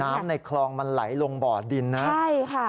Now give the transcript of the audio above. ในคลองมันไหลลงบ่อดินนะใช่ค่ะ